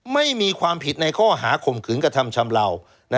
ไม่มีความผิดในข้อหาข่มขืนกระทำชำเหล่า